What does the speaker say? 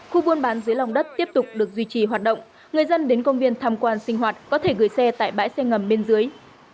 khu buôn bán dưới lòng đất tiếp tục được duy trì hoạt động người dân đến công viên tham quan sinh hoạt có thể gửi xe tại bãi xe ngầm bên dưới